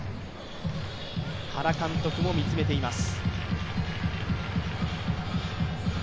原監督も見つめています。